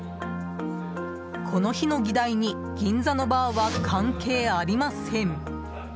この日の議題に銀座のバーは関係ありません。